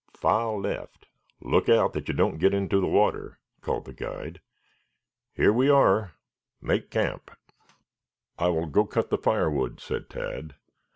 "File left. Look out that you don't get into the water," called the guide. "Here we are. Make camp." "I will go cut the firewood," said Tad.